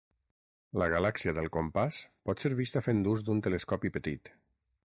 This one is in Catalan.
La galàxia del compàs pot ser vista fent ús d'un telescopi petit.